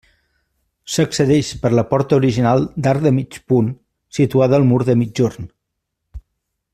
S'accedeix per la porta original d'arc de mig punt, situada al mur de migjorn.